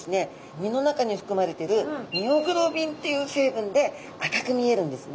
身の中に含まれてるミオグロビンっていう成分で赤く見えるんですね。